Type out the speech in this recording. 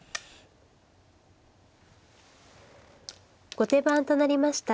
後手番となりました